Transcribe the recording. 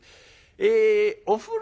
えお風呂」。